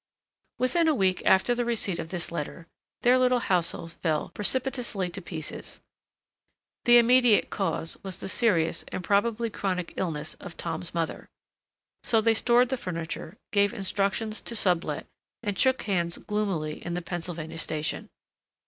Within a week after the receipt of this letter their little household fell precipitously to pieces. The immediate cause was the serious and probably chronic illness of Tom's mother. So they stored the furniture, gave instructions to sublet and shook hands gloomily in the Pennsylvania Station.